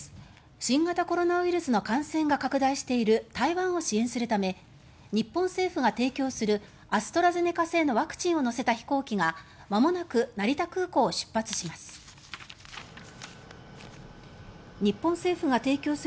新型コロナウイルスの感染が拡大している台湾を支援するため日本政府が提供するアストラゼネカ製のワクチンを載せた飛行機がまもなく成田空港を出発します。